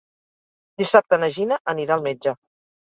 Dissabte na Gina anirà al metge.